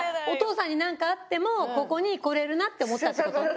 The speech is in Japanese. お父さんに何かあってもここに来れるなってこと。